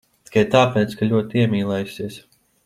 Tikai tāpēc, ka ļoti iemīlējusies.